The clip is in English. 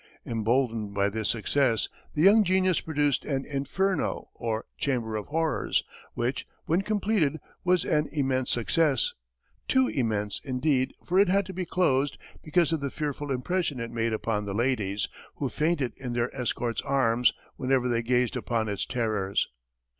Emboldened by this success, the young genius produced an "Inferno," or "Chamber of Horrors," which, when completed, was an immense success too immense, indeed, for it had to be closed because of the fearful impression it made upon the ladies, who fainted in their escorts' arms whenever they gazed upon its terrors.